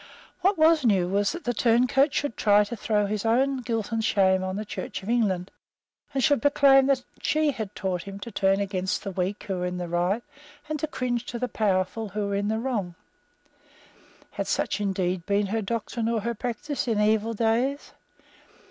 What was new was that the turncoat should try to throw his own guilt and shame on the Church of England, and should proclaim that she had taught him to turn against the weak who were in the right, and to cringe to the powerful who were in the wrong. Had such indeed been her doctrine or her practice in evil days?